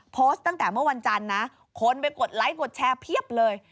โพสต์ตั้งแต่เมื่อวันจันทร์นะคนไปกดไลค์กดแชร์เพียบเลย